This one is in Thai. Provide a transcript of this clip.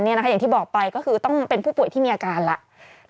อย่างที่บอกไปก็คือต้องเป็นผู้ป่วยที่มีอาการแล้ว